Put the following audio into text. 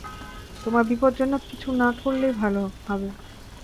তোমরা বিপজ্জনক কিছু না করলেই ভালো হবে।